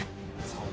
そう